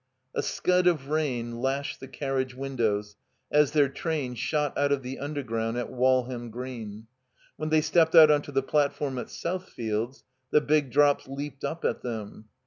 A scud of rain lashed the carriage windows as their train shot out of the Undergroimd at Walham Green. When they stepped out onto the platform at Southfields, the big drops leaped up at them.